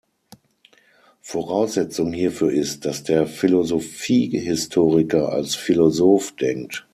Voraussetzung hierfür ist, dass der Philosophiehistoriker als Philosoph denkt.